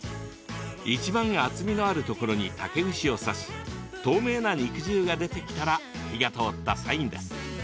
いちばん厚みのあるところに竹串を刺し透明な肉汁が出てきたら火が通ったサインです。